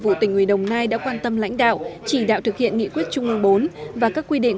vụ tình hủy đồng nai đã quan tâm lãnh đạo chỉ đạo thực hiện nghị quyết trung mương bốn và các quy định